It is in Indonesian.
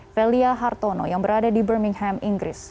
velia hartono yang berada di birmingham inggris